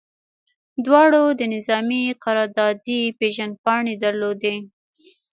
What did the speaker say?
دواړو د نظامي قراردادي پیژندپاڼې درلودې